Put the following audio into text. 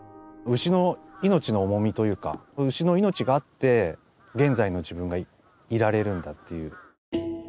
牛の命の重みというか牛の命があって現在の自分がいられるんだっていう。